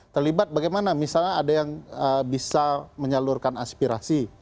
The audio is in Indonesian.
terlibat bagaimana misalnya ada yang bisa menyalurkan aspirasi